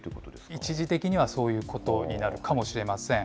一時的にはそういうことになるかもしれません。